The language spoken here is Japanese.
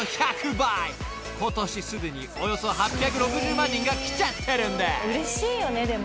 ［今年すでにおよそ８６０万人が来ちゃってるんです］